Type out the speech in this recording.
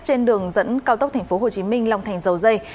trên đường dẫn cao tốc tp hồ chí minh lòng thành dầu dây